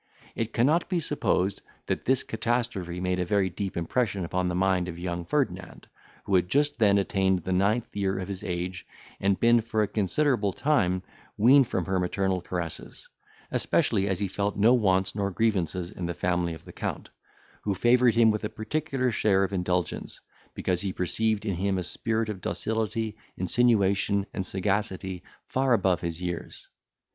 It cannot be supposed that this catastrophe made a very deep impression upon the mind of young Ferdinand, who had just then attained the ninth year of his age, and been for a considerable time weaned from her maternal caresses; especially as he felt no wants nor grievances in the family of the Count, who favoured him with a particular share of indulgence, because he perceived in him a spirit of docility, insinuation, and sagacity, far above his years.